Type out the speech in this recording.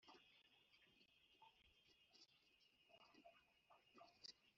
Guhugura abantu gukoresha mudasobwa